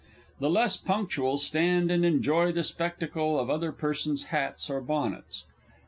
The less punctual stand and enjoy the spectacle of other persons' hats or bonnets.